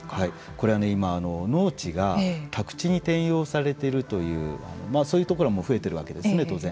これは今農地が宅地に転用されているというそういうところが増えているわけですね当然。